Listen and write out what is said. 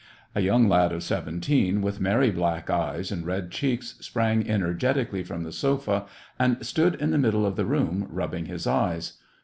A young lad of seventeen, with merry black eyes and red cheeks, sprang energetically from the sofa, and stood in the middle of the room, rubbing his eyes.